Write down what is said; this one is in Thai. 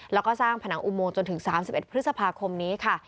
แล้วก็สร้างผนังอุโมงจนถึง๓๑พฤษภาคมนี้ค่ะ